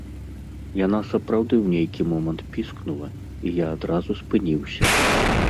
Яна сапраўды ў нейкі момант піскнула, і я адразу спыніўся.